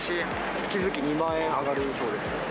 月々２万円上がるそうです。